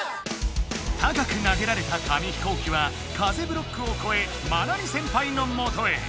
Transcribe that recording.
高く投げられた紙飛行機は風ブロックをこえマナミ先輩のもとへ。